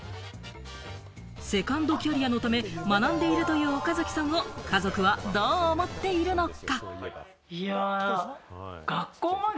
セカンドキャリアのため学んでいるという岡崎さんを家族はどう思っているのか？